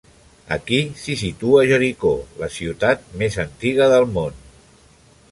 Aquí s'hi situa Jericó, la ciutat més antiga del món.